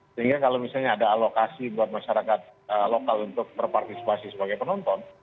sehingga kalau misalnya ada alokasi buat masyarakat lokal untuk berpartisipasi sebagai penonton